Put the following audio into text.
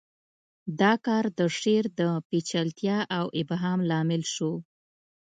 دا کار د شعر د پیچلتیا او ابهام لامل شو